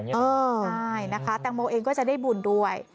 ใช่นะคะแตงโมเองก็จะได้บุญด้วย